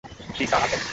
জ্বি স্যার, আছে!